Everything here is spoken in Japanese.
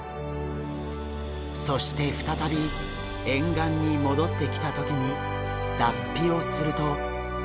そして再び沿岸に戻ってきた時に脱皮をすると。